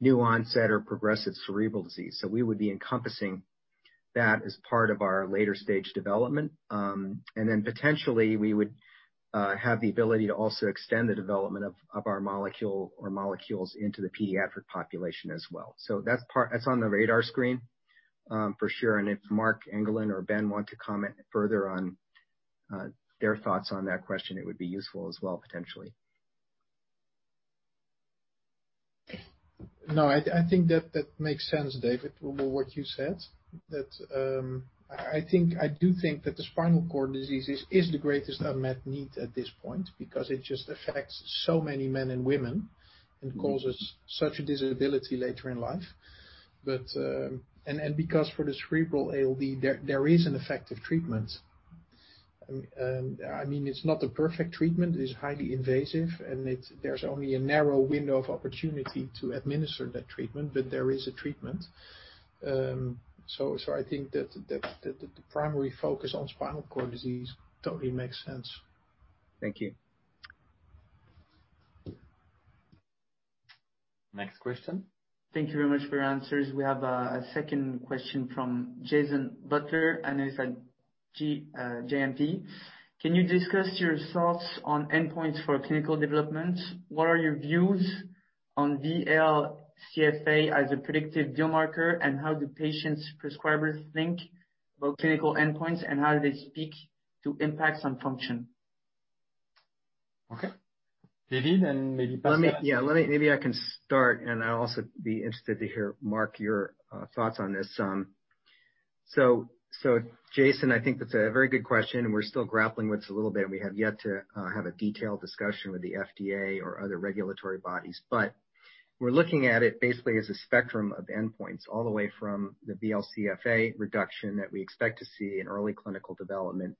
S4: new onset or progressive cerebral disease. We would be encompassing that as part of our later stage development. Potentially we would have the ability to also extend the development of our molecule or molecules into the pediatric population as well. That's on the radar screen for sure. If Marc Engelen or Ben want to comment further on their thoughts on that question, it would be useful as well potentially.
S2: No, I think that makes sense, David, with what you said. I do think that the spinal cord disease is the greatest unmet need at this point because it just affects so many men and women and causes such a disability later in life. Because for the cerebral ALD, there is an effective treatment. It's not a perfect treatment. It's highly invasive, and there's only a narrow window of opportunity to administer that treatment, but there is a treatment. I think that the primary focus on spinal cord disease totally makes sense.
S4: Thank you.
S1: Next question.
S5: Thank you very much for your answers. We have a second question from Jason Butler, JMP. Can you discuss your thoughts on endpoints for clinical development? What are your views on VLCFA as a predictive biomarker, and how the patient's prescribers think about clinical endpoints and how they speak to impacts on function?
S1: Okay. David, maybe pass that.
S4: Maybe I can start, and I'll also be interested to hear Marc Engelen your thoughts on this. Jason Butler, I think that's a very good question, and we're still grappling with a little bit. We have yet to have a detailed discussion with the FDA or other regulatory bodies. We're looking at it basically as a spectrum of endpoints, all the way from the VLCFA reduction that we expect to see in early clinical development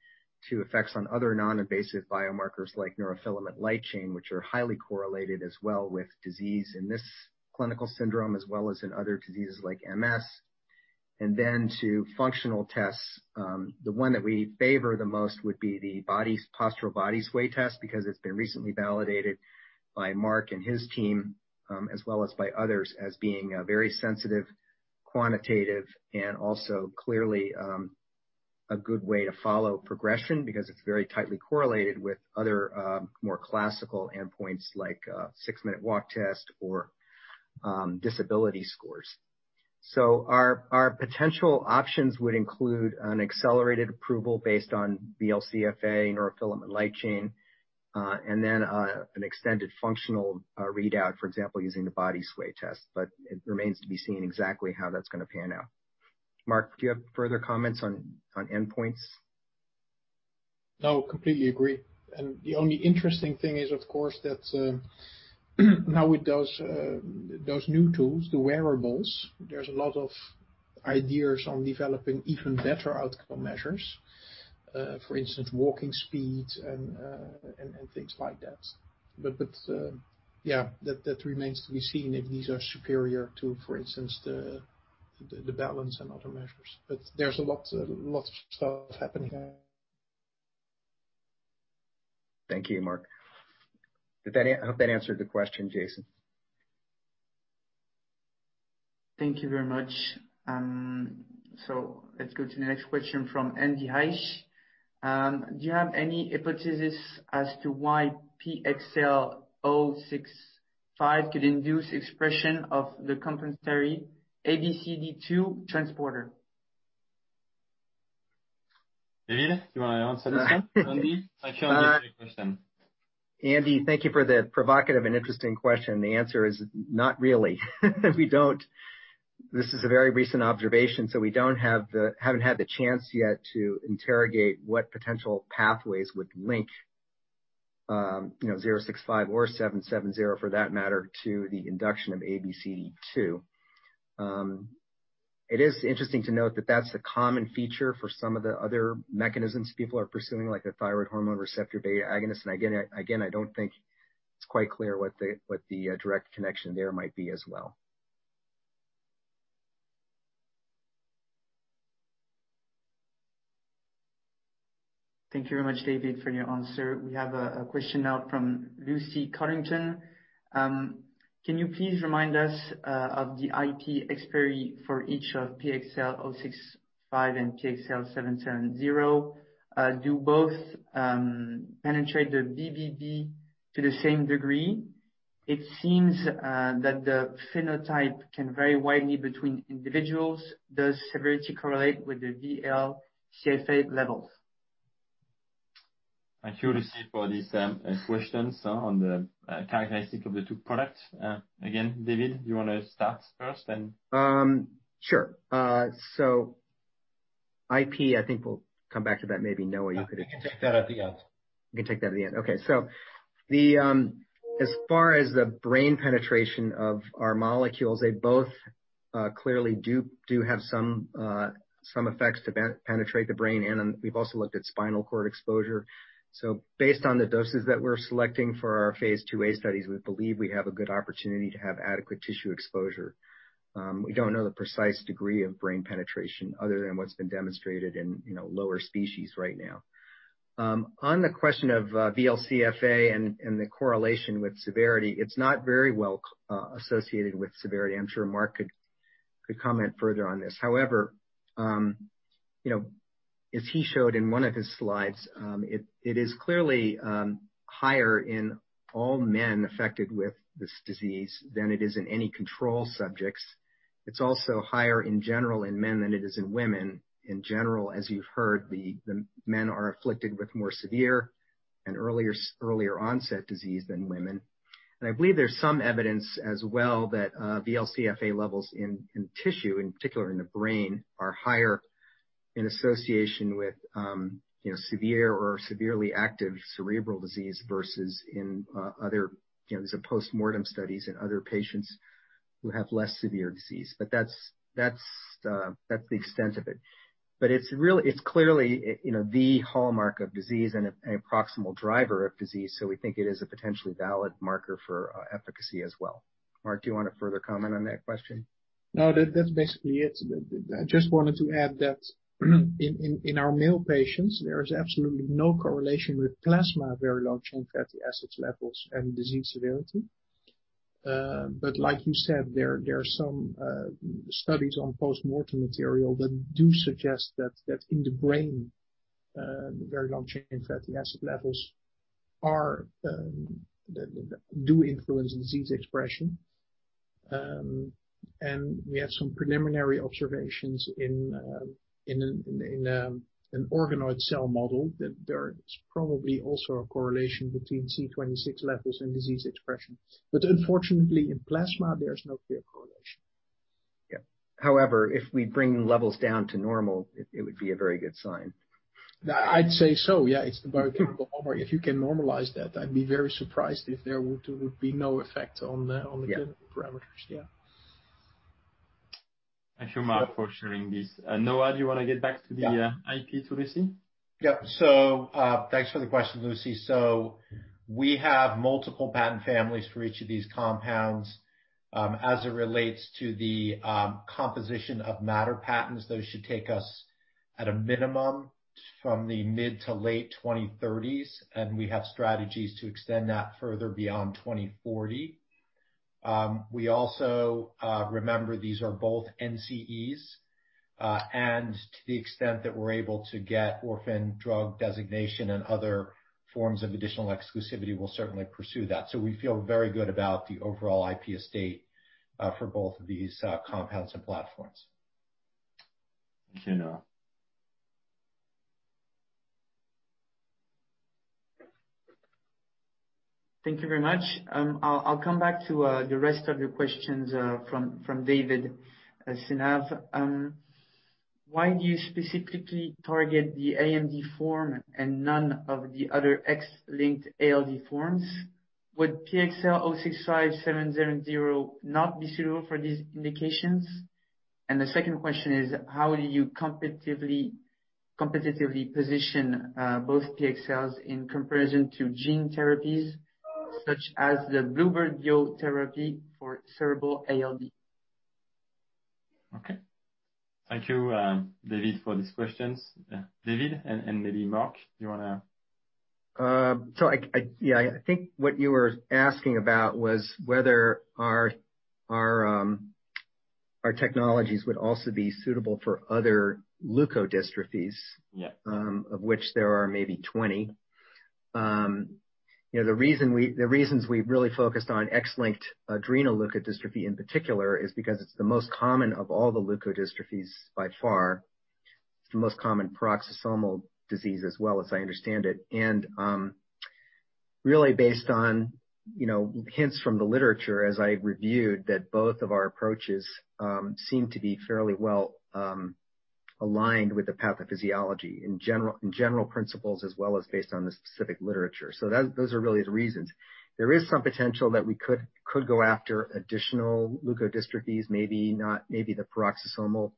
S4: to effects on other non-invasive biomarkers like neurofilament light chain, which are highly correlated as well with disease in this clinical syndrome, as well as in other diseases like MS, then to functional tests. The one that we favor the most would be the postural body sway test because it has been recently validated by Marc and his team, as well as by others as being a very sensitive, quantitative, and also clearly a good way to follow progression because it is very tightly correlated with other more classical endpoints like six-minute walk test or disability scores. Our potential options would include an accelerated approval based on VLCFA neurofilament light chain, and then an extended functional readout, for example, using the body sway test. It remains to be seen exactly how that is going to pan out. Marc, do you have further comments on endpoints?
S2: No, completely agree. The only interesting thing is, of course, that now with those new tools, the wearables, there's a lot of ideas on developing even better outcome measures. For instance, walking speeds and things like that. Yeah, that remains to be seen if these are superior to, for instance, the balance and other measures. There's lots of stuff happening there.
S4: Thank you, Marc Engelen. I hope that answered the question, Jason Butler.
S5: Thank you very much. Let's go to the next question from Andy Hsieh. Do you have any hypothesis as to why PXL065 can induce expression of the compensatory ABCD2 transporter?
S1: David, do you want to answer this one?
S4: Andy, thank you for the provocative and interesting question. The answer is not really. This is a very recent observation, so we haven't had the chance yet to interrogate what potential pathways would link 065 or 770, for that matter, to the induction of ABCD2. It is interesting to note that that's a common feature for some of the other mechanisms people are pursuing, like the thyroid hormone receptor beta agonist. Again, I don't think it's quite clear what the direct connection there might be as well.
S5: Thank you very much, David, for your answer. We have a question now from Lucy Codrington. Can you please remind us of the IP expiry for each of PXL065 and PXL770? Do you both penetrate the BBB to the same degree? It seems that the phenotype can vary widely between individuals. Does severity correlate with the VLCF levels?
S1: Thank you, Lucy, for this question on the characteristic of the two products. Again, David, do you want to start first then?
S4: Sure. IP, I think we'll come back to that maybe.
S1: We can take that at the end.
S4: We can take that at the end. As far as the brain penetration of our molecules, they both clearly do have some effects that penetrate the brain, and we've also looked at spinal cord exposure. Based on the doses that we're selecting for our phase IIa studies, we believe we have a good opportunity to have adequate tissue exposure. We don't know the precise degree of brain penetration other than what's been demonstrated in lower species right now. On the question of VLCFA and the correlation with severity, it's not very well associated with severity. I'm sure Marc could comment further on this. However, as he showed in one of his slides, it is clearly higher in all men affected with this disease than it is in any control subjects. It's also higher in general in men than it is in women. In general, as you've heard, the men are afflicted with more severe and earlier onset disease than women. I believe there's some evidence as well that VLCFA levels in tissue, in particular in the brain, are higher in association with severe or severely active cerebral disease versus in other post-mortem studies in other patients who have less severe disease. That's the extent of it. It's clearly the hallmark of disease and a proximal driver of disease, so we think it is a potentially valid marker for efficacy as well. Marc, do you want to further comment on that question?
S2: No, that's basically it. I just wanted to add that in our male patients, there is absolutely no correlation with plasma very long-chain fatty acids levels and disease severity. Like you said, there are some studies on post-mortem material that do suggest that in the brain, very long-chain fatty acid levels do influence disease expression. We have some preliminary observations in an organoid cell model that there is probably also a correlation between C26 levels and disease expression. Unfortunately, in plasma, there is no clear correlation.
S4: Yeah. However, if we bring levels down to normal, it would be a very good sign.
S2: I'd say so, yeah. It's a very good point. If you can normalize that, I'd be very surprised if there would be no effect on the clinical parameters. Yeah.
S5: Thank you, Marc, for sharing this. Noah, do you want to get back to the IP for Lucy?
S6: Thanks for the question, Lucy. We have multiple patent families for each of these compounds. As it relates to the composition of matter patents, those should take us at a minimum from the mid to late 2030s, and we have strategies to extend that further beyond 2040. We also remember these are both NCEs, and to the extent that we're able to get orphan drug designation and other forms of additional exclusivity, we'll certainly pursue that. We feel very good about the overall IP estate for both of these compounds and platforms.
S1: Thank you, Noah.
S5: Thank you very much. I'll come back to the rest of the questions from David soon enough. Why do you specifically target the ALD form and none of the other X-linked ALD forms? Would PXL065/770 not be suitable for these indications? The second question is, how do you competitively position both PXLs in comparison to gene therapies such as the bluebird bio therapy for cerebral ALD?
S1: Okay. Thank you, David, for these questions. David, and maybe Marc Engelen, do you want to?
S4: I think what you were asking about was whether our technologies would also be suitable for other leukodystrophies.
S1: Yeah
S4: of which there are maybe 20. The reasons we've really focused on X-linked adrenoleukodystrophy in particular is because it's the most common of all the leukodystrophies by far. It's the most common peroxisomal disease as well, as I understand it. Really based on hints from the literature as I reviewed, that both of our approaches seem to be fairly well aligned with the pathophysiology in general principles, as well as based on the specific literature. Those are really the reasons. There is some potential that we could go after additional leukodystrophies, maybe the peroxisome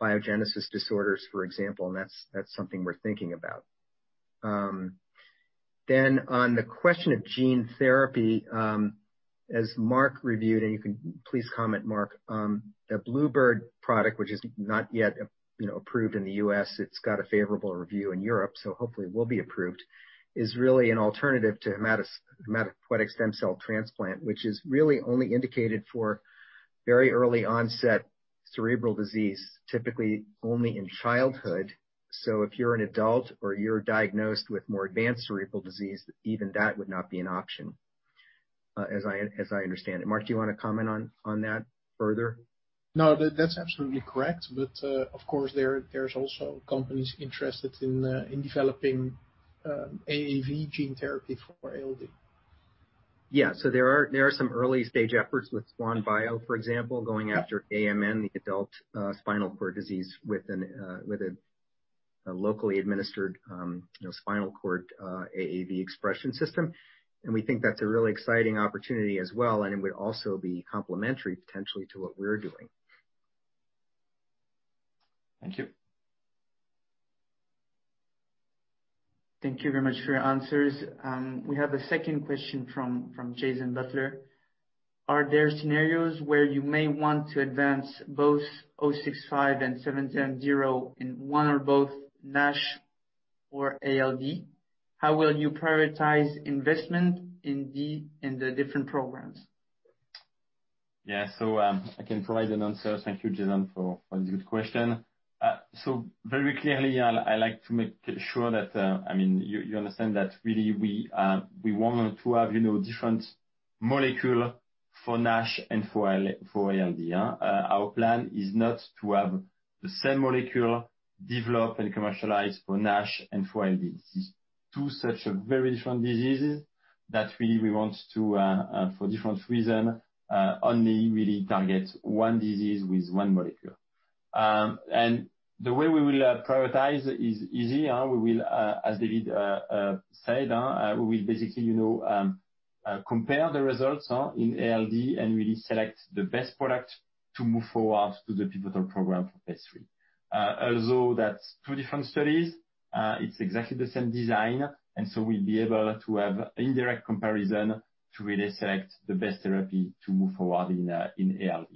S4: biogenesis disorders, for example, and that's something we're thinking about. On the question of gene therapy, as Marc Engelen reviewed, and you can please comment, Marc Engelen. The Bluebird product, which is not yet approved in the U.S., it's got a favorable review in Europe, so hopefully will be approved, is really an alternative to hematopoietic stem cell transplant, which is really only indicated for very early onset cerebral disease, typically only in childhood. If you're an adult or you're diagnosed with more advanced cerebral disease, even that would not be an option, as I understand it. Marc, do you want to comment on that further?
S2: No, that's absolutely correct. Of course, there's also companies interested in developing AAV gene therapy for ALD.
S4: Yeah. There are some early-stage efforts with SwanBio Therapeutics, for example, going after AMN, the adult spinal cord disease, with a locally administered spinal cord AAV expression system. We think that's a really exciting opportunity as well, and it would also be complementary potentially to what we're doing.
S1: Thank you.
S5: Thank you very much for your answers. We have a second question from Jason Butler. Are there scenarios where you may want to advance both O65 and 770 in one or both NASH or ALD? How will you prioritize investment in the different programs?
S1: Yeah. I can provide an answer. Thank you, Jason, for this question. Very clearly, I like to make sure that you understand that really, we want to have different molecule for NASH and for ALD, yeah. Our plan is not to have the same molecule developed and commercialized for NASH and for ALD. These two such are very different diseases that really we want to, for different reason, only really target one disease with one molecule. The way we will prioritize is easy. We will, as David said, we will basically compare the results in ALD and really select the best product to move forward to the pivotal program for phase III. Although that's two different studies, it's exactly the same design, and so we'll be able to have indirect comparison to really select the best therapy to move forward in ALD.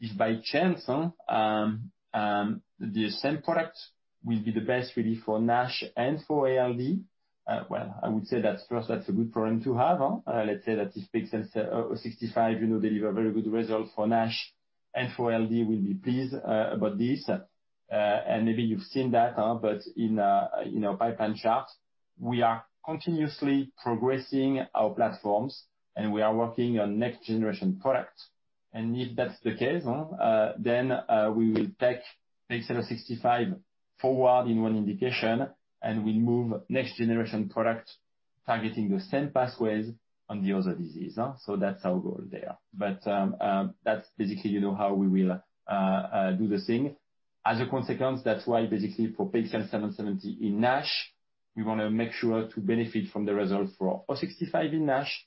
S1: If by chance, the same product will be the best really for NASH and for ALD, well, I would say that's a good problem to have. Let's say that if PXL065 deliver very good results for NASH and for ALD, we'll be pleased about this. Maybe you've seen that, but in our pipeline charts, we are continuously progressing our platforms, and we are working on next generation products. If that's the case, then we will take PXL065 forward in one indication, and we move next generation product targeting the same pathways on the other disease. That's our goal there. That's basically how we will do the thing. That's why basically for PXL770 in NASH, we want to make sure to benefit from the result for PXL065 in NASH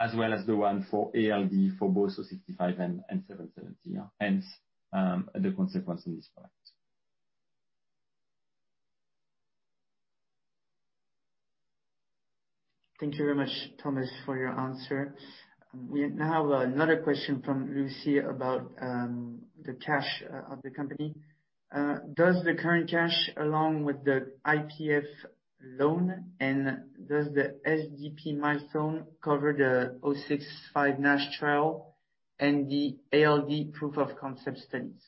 S1: as well as the one for ALD for both PXL065 and PXL770, hence the consequence in this product.
S5: Thank you very much, Thomas, for your answer. We now have another question from Lucy about the cash of the company. Does the current cash along with the IPF loan, and does the SDP milestone cover the O65 NASH trial and the ALD proof of concept studies?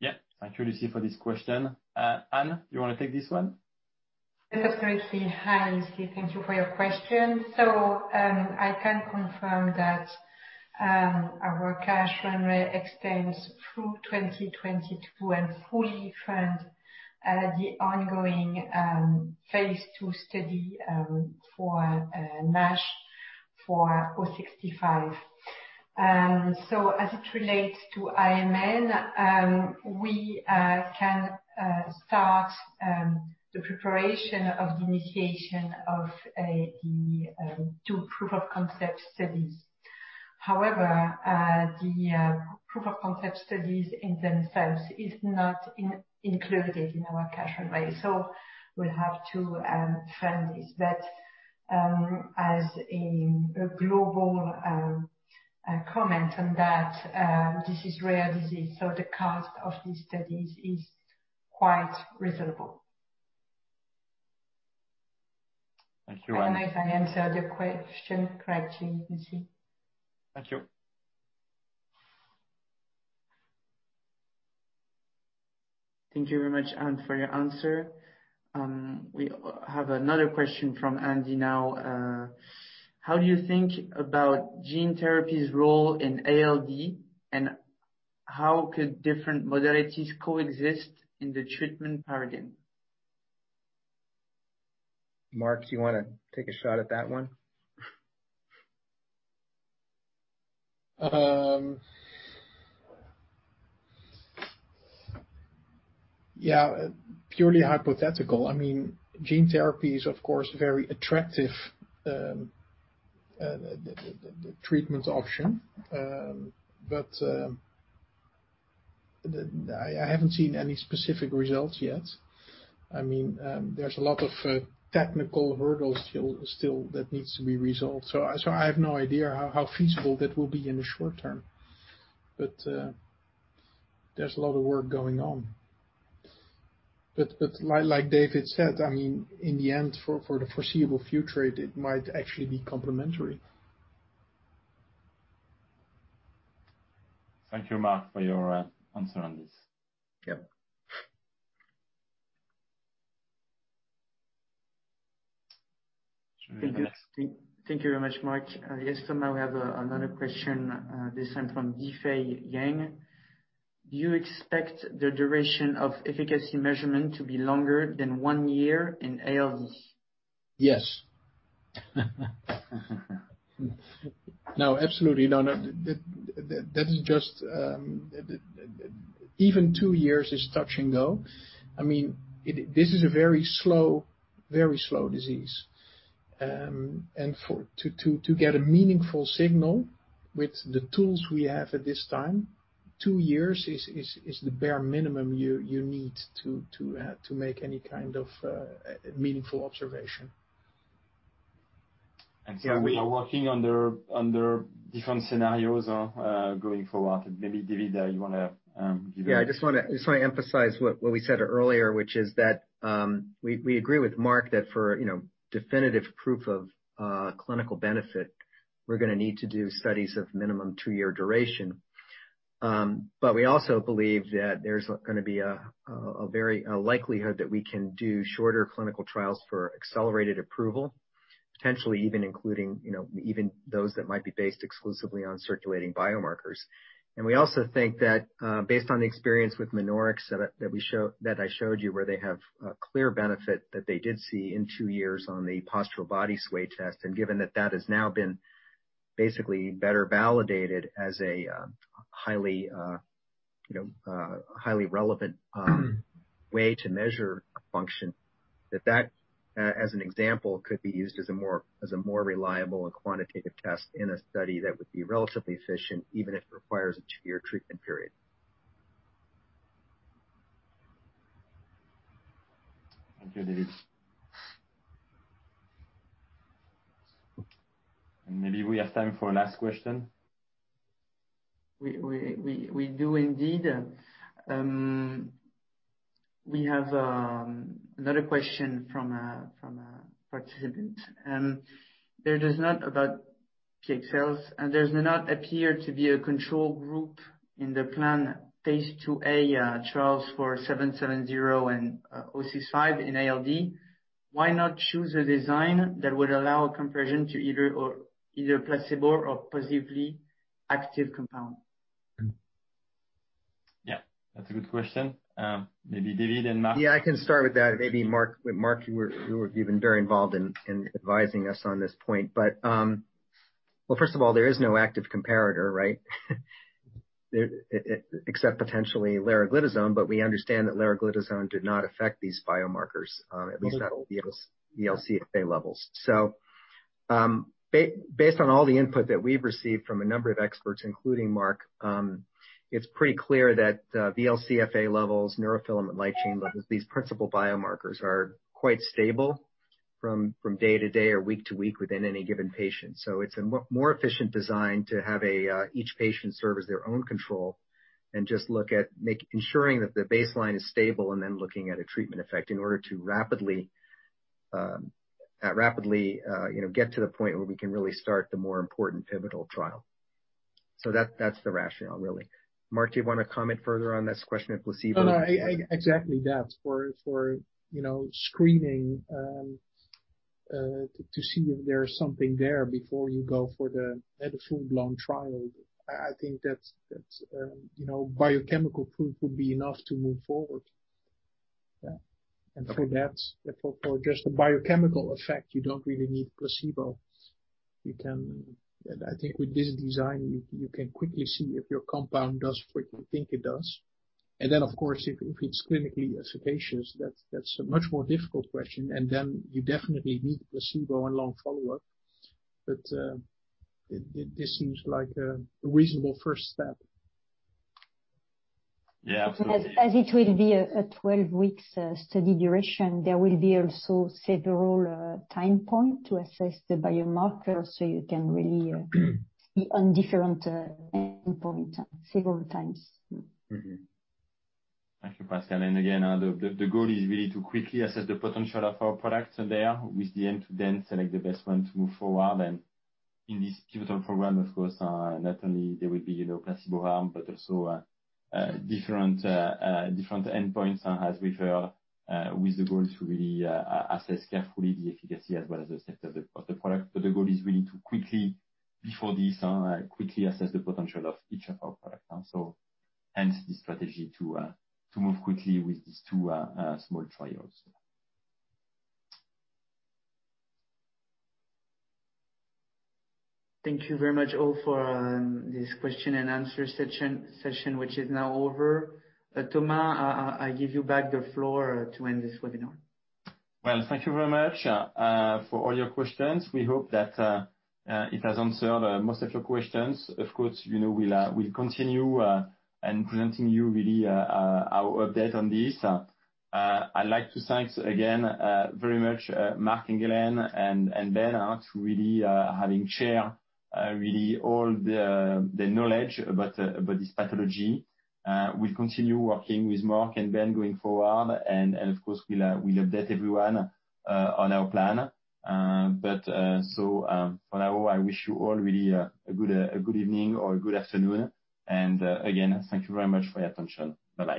S1: Yeah. Thank you, Lucy, for this question. Anne, do you want to take this one?
S7: Yes, absolutely. Hi, Lucy. Thank you for your question. I can confirm that our cash runway extends through 2022 and fully funds the ongoing phase II study for NASH for PXL065. As it relates to AMN, we can start the preparation of the initiation of the two proof of concept studies. However, the proof of concept studies in themselves is not included in our cash runway. We have to fund this. As a global comment on that, this is a rare disease, so the cost of these studies is quite reasonable. I don't know if I answered the question correctly.
S1: Thank you.
S5: Thank you very much, Anne, for your answer. We have another question from Andy now. How do you think about gene therapy's role in ALD, and how could different modalities coexist in the treatment paradigm?
S1: Marc, do you want to take a shot at that one?
S2: Yeah. Purely hypothetical. Gene therapy is, of course, a very attractive treatment option. I haven't seen any specific results yet. There's a lot of technical hurdles still that needs to be resolved. I have no idea how feasible that will be in the short term, but there's a lot of work going on. Like David said, in the end, for the foreseeable future, it might actually be complementary.
S1: Thank you, Marc, for your answer on this.
S2: Yep.
S5: Thank you very much, Marc. Yes, Thomas, we have another question this time from Difei Yang. Do you expect the duration of efficacy measurement to be longer than 1 year in ALD?
S2: Yes. No, absolutely not. Even two years is touch and go. This is a very slow disease. To get a meaningful signal with the tools we have at this time, two years is the bare minimum you need to make any kind of meaningful observation.
S1: We are working under different scenarios going forward. Maybe, David, you want to-
S4: Yeah, I just want to emphasize what we said earlier, which is that we agree with Marc Engelen that for definitive proof of clinical benefit, we're going to need to do studies of minimum two-year duration. We also believe that there's going to be a likelihood that we can do shorter clinical trials for accelerated approval, potentially even including those that might be based exclusively on circulating biomarkers. We also think that based on the experience with leriglitazone that I showed you, where they have a clear benefit that they did see in two years on the postural body sway test, and given that that has now been basically better validated as a highly relevant way to measure function, that as an example, could be used as a more reliable and quantitative test in a study that would be relatively efficient, even if it requires a 2-year treatment period.
S1: Okay, David. Maybe we have time for last question?
S5: We do indeed. We have another question from a participant. There does not appear to be a control group in the plan phase II-A trials for PXL770 and PXL065 in ALD. Why not choose a design that would allow comparison to either placebo or possibly active compound?
S1: Yeah, that's a good question. Maybe David, then Marc.
S4: Yeah, I can start with that. Maybe Marc, you've been very involved in advising us on this point. First of all, there is no active comparator, right? Except potentially leriglitazone, but we understand that leriglitazone did not affect these biomarkers, at least not VLCFA levels. Based on all the input that we've received from a number of experts, including Marc, it's pretty clear that VLCFA levels, neurofilament light chain levels, these principal biomarkers are quite stable from day to day or week to week within any given patient. It's a more efficient design to have each patient serve as their own control and just look at ensuring that the baseline is stable and then looking at a treatment effect in order to rapidly get to a point where we can really start the more important pivotal trial. That's the rationale, really. Marc, do you want to comment further on this question of placebo?
S2: No, exactly that. For screening, to see if there's something there before you go for the full-blown trial. I think that biochemical proof would be enough to move forward. Yeah. For just a biochemical effect, you don't really need placebo. I think with this design, you can quickly see if your compound does what you think it does. Of course, if it's clinically efficacious, that's a much more difficult question. You definitely need placebo and long follow-up. This seems like a reasonable first step.
S1: Yeah.
S8: It will be a 12-week study duration, there will be also several time points to assess the biomarkers, so you can really see on different end points several times.
S1: Thank you, Pascale. Again, the goal is really to quickly assess the potential of our products there with the aim to then select the best one to move forward. In this pivotal program, of course, not only there will be placebo arm, but also different endpoints as with her, with the goal to really assess carefully the efficacy as well as the safety of the product. The goal is really to quickly assess the potential of each of our products. Hence the strategy to move quickly with these two small trials.
S5: Thank you very much all for this question and answer session, which is now over. Thomas, I give you back the floor to end this webinar.
S1: Well, thank you very much for all your questions. We hope that it has answered most of your questions. Of course, we'll continue and presenting you really our update on this. I'd like to thank again very much, Marc Engelen and Ben Lonergan, really having shared really all the knowledge about this pathology. We continue working with Marc and Ben going forward. Of course, we'll update everyone on our plan. For now, I wish you all really a good evening or a good afternoon. Again, thank you very much for your attention. Bye-bye.